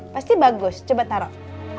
pasti bagus coba taruh